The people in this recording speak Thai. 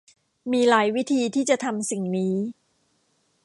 มีหลายวิธีที่จะทำสิ่งนี้